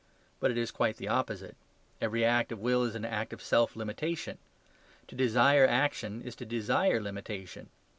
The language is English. But it is quite the opposite. Every act of will is an act of self limitation. To desire action is to desire limitation.